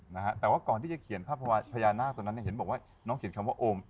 นะฮะแต่ว่าก่อนที่จะเขียนภาพพญานาคตอนนั้นเนี่ยเห็นบอกว่าน้องเขียนคำว่าโอม